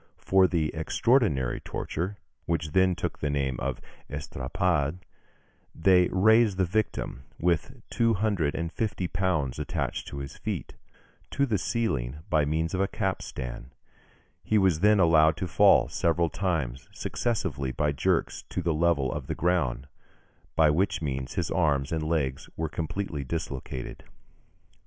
For the extraordinary torture, which then took the name of estrapade, they raised the victim, with two hundred and fifty pounds attached to his feet, to the ceiling by means of a capstan; he was then allowed to fall several times successively by jerks to the level of the ground, by which means his arms and legs were completely dislocated (Fig.